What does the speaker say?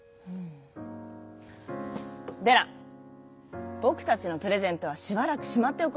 「デラぼくたちのプレゼントはしばらくしまっておくことにしようよ」。